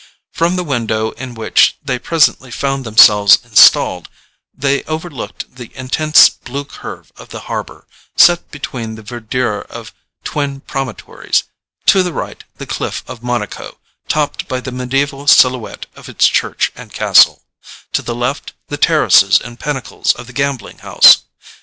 From the window in which they presently found themselves installed, they overlooked the intense blue curve of the harbour, set between the verdure of twin promontories: to the right, the cliff of Monaco, topped by the mediaeval silhouette of its church and castle, to the left the terraces and pinnacles of the gambling house.